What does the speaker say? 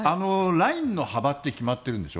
ラインの幅って決まってるんでしょ。